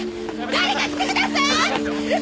誰か来てください！